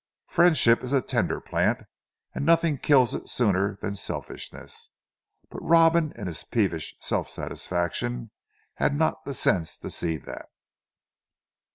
Friendship is a tender plant, and nothing kills it sooner than selfishness. But Robin in his peevish self satisfaction had not the sense to see that.